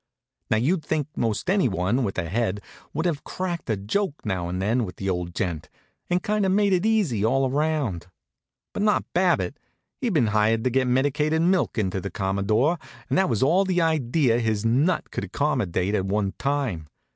Now you'd think most anyone with a head would have cracked a joke now and then with the old gent, and kind of made it easy all round. But not Babbitt. He'd been hired to get medicated milk into the Commodore, and that was all the idea his nut could accommodate at one time.